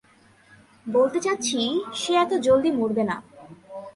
বলতে চাচ্ছি, সে এত জলদি মরবে না।